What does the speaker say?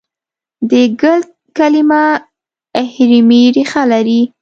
د ګلټ کلیمه اهمري ریښه لري.